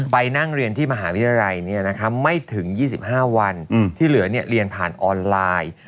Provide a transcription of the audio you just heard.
ไปนั่งเรียนที่มหาวิทยาลัยไม่ถึง๒๕วันที่เหลือเรียนผ่านออนไลน์